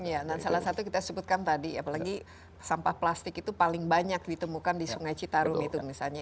ya dan salah satu kita sebutkan tadi apalagi sampah plastik itu paling banyak ditemukan di sungai citarum itu misalnya